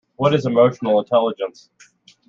What is emotional intelligence?